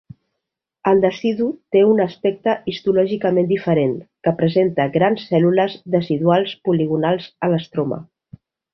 El decidu té un aspecte histològicament diferent, que presenta grans cèl·lules deciduals poligonals a l'estroma.